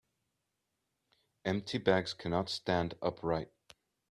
Empty bags cannot stand upright.